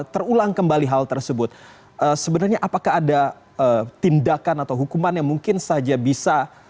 terulang kembali hal tersebut sebenarnya apakah ada tindakan atau hukuman yang mungkin saja bisa